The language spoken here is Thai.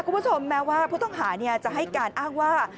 คุณผู้ชมแม้ว่าผู้ต้องหาจะให้การอ้างว่า